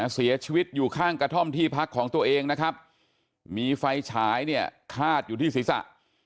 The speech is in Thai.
เสียชีวิตอยู่ข้างกระท่อมที่พักของตัวเองนะครับมีไฟฉายเนี่ยคาดอยู่ที่ศีรษะ